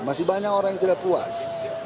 masih banyak orang yang tidak puas